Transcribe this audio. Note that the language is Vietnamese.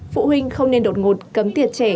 phụ huynh không nên đột ngột cấm tiệt trẻ